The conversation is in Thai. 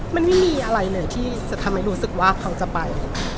มันไม่มีอะไรเลยที่จะทำให้รู้สึกว่าเขาจะไป